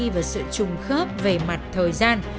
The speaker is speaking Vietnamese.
và sự trùng khớp về mặt thời gian